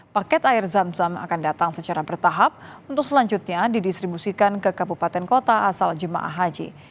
paket air zam zam akan datang secara bertahap untuk selanjutnya didistribusikan ke kabupaten kota asal jemaah haji